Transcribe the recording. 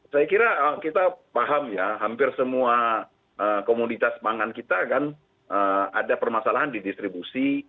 saya kira kita paham ya hampir semua komoditas pangan kita kan ada permasalahan di distribusi